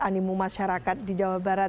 animu masyarakat di jawa barat